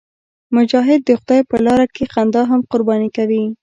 مجاهد د خدای په لاره کې خندا هم قرباني کوي.